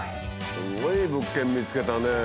すごい物件見つけたね。